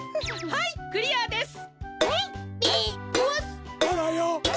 はいクリアです！